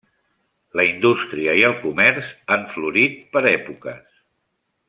La indústria i el comerç ha florit per èpoques.